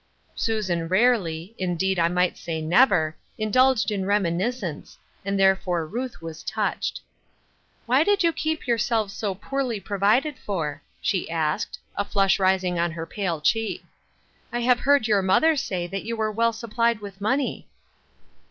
Susan rarely — indeed, I might say never — indulged in reminiscence, and therefore Ruth was touched. " Why did you keep yourselves so poorly pro vided for ?" she asked, a flush rising on her pale cheek. " I have heard your mother say that you were well supplied with money."